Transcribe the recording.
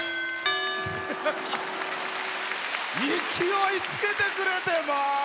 勢いつけてくれて！